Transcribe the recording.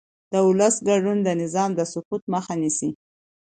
د ولس ګډون د نظام د سقوط مخه نیسي